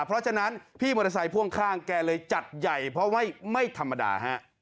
เพราะฉะนั้นพี่มอเตอร์ไซค่วงข้างแกเลยจัดใหญ่เพราะว่าไม่ธรรมดาฮะ